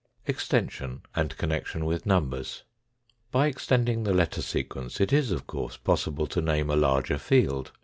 EXTENSION AND CONNECTION WITH NUMBERS. By extending the letter sequence it is of course possible to name a larger field.